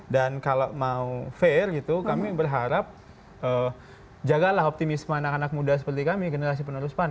dan kalau mau fair gitu kami berharap jagalah optimisme anak anak muda seperti kami generasi penerus pan